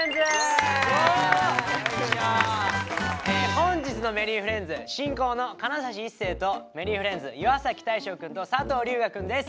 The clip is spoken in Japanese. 本日の「Ｍｅｒｒｙｆｒｉｅｎｄｓ」進行の金指一世とＭｅｒｒｙｆｒｉｅｎｄｓ岩大昇くんと佐藤龍我くんです。